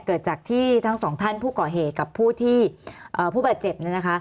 เกิดจากที่ทั้งสองท่านผู้ก่อเหตุกับผู้ที่ผู้บาดเจ็บเนี่ยนะคะ